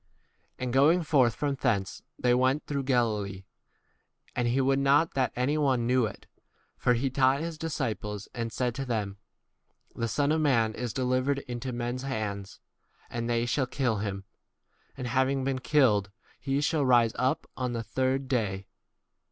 30 And going forth from thence they went through Galilee; and he would not that any one knew 31 it ; for he taught his disciples and said to them, The Son of man is delivered into men's hands ; and they shall kill him, and, having been killed, he shall rise up on 32 the third day.